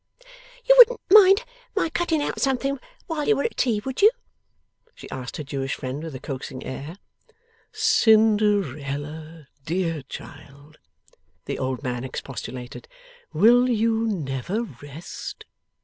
'You wouldn't mind my cutting out something while we are at tea, would you?' she asked her Jewish friend, with a coaxing air. 'Cinderella, dear child,' the old man expostulated, 'will you never rest?